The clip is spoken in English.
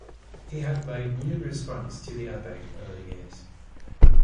He had made numerous grants to the abbey over the years.